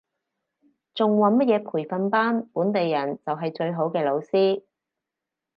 仲揾乜嘢培訓班，本地人就係最好嘅老師